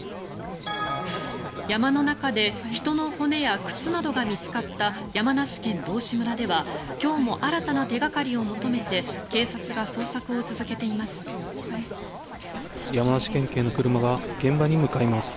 山の中で人の骨や靴などが見つかった山梨県道志村では今日も新たな手掛かりを求めて警察が捜索を続けています。